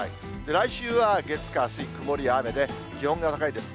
来週は月、火、水、曇りや雨で、気温が高いです。